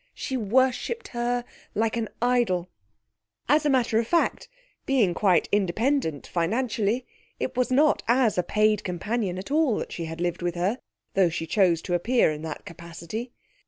She worshipped her like an idol. As a matter of fact, being quite independent financially, it was not as a paid companion at all that she had lived with her, though she chose to appear in that capacity.